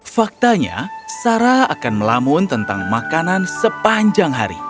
faktanya sarah akan melamun tentang makanan sepanjang hari